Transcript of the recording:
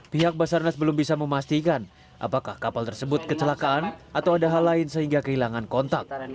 pihak basarnas belum bisa memastikan apakah kapal tersebut kecelakaan atau ada hal lain sehingga kehilangan kontak